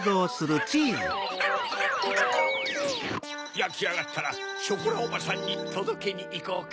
やきあがったらショコラおばさんにとどけにいこうか？